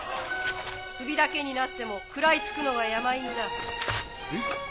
首だけになっても食らいつくのが山犬だ。え？